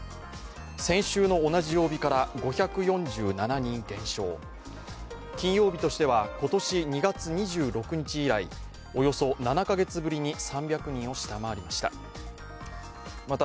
先週の同じ曜日から５４７人減少、金曜日としては今年２月２６日以来、およそ７カ月ぶりに３００人を下回りました。